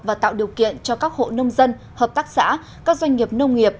và tạo điều kiện cho các hộ nông dân hợp tác xã các doanh nghiệp nông nghiệp